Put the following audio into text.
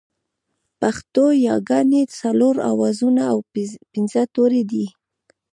پښتو ياگانې څلور آوازونه او پينځه توري دي